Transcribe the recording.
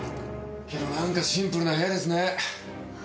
けどなんかシンプルな部屋ですね。